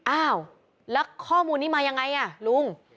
อ้าวแล้วข้อมูลนี้มายังไงอ่ะลุง